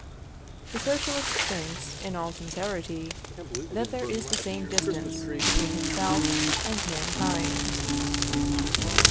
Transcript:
The Socialist thinks, in all sincerity, that there is the same distance between himself and mankind.